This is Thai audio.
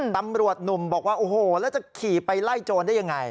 ตำรวจหนุ่มบอกว่าโอ้โหแล้วจะขี่ไปไล่โจรได้ยังไง